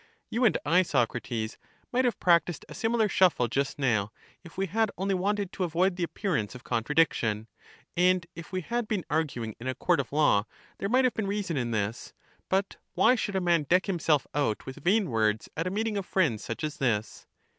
You and I, Socrates, might have practised a similar shuffle just now, if we had only wanted to avoid the appearance of con tradiction. And if we had been arguing in a court of law there might have been reason in this ; but why should a man deck himself out with vain words at a meeting of friends such as this?